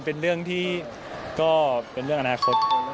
เป็นเรื่องที่ก็เป็นเรื่องอนาคต